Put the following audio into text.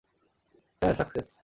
Sir, success!